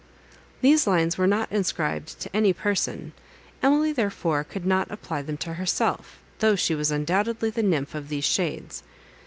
These lines were not inscribed to any person; Emily therefore could not apply them to herself, though she was undoubtedly the nymph of these shades.